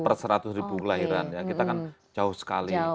per seratus ribu kelahiran ya kita kan jauh sekali